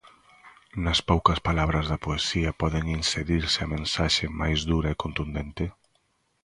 Nas poucas palabras da poesía pode inserirse a mensaxe máis dura e contundente?